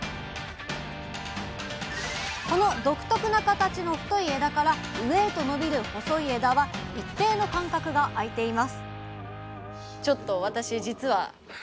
この独特な形の太い枝から上へと伸びる細い枝は一定の間隔があいています